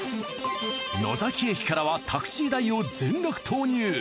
野崎駅からはタクシー代を全額投入。